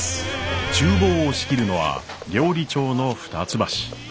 厨房を仕切るのは料理長の二ツ橋。